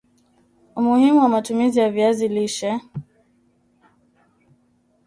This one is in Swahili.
Umuhimu na Matumizi ya Viazi lishe